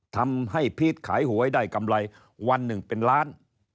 ทำให้พีชขายหวยได้กำไรวันหนึ่งเป็นล้าน